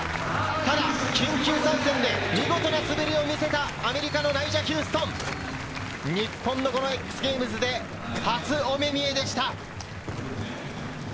ただ緊急参戦で見事な滑りを見せたアメリカのナイジャ・ヒューストン、日本のＸＧａｍｅｓで初お目見えでした。